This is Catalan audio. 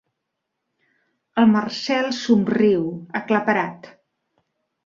El Marcel somriu, aclaparat.